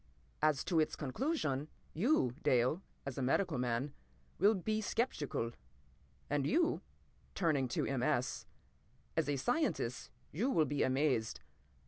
"As to its conclusion, you, Dale, as a medical man, will be sceptical. And you"—turning to M. S.—"as a scientist you will be amazed.